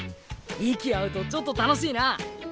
息合うとちょっと楽しいな。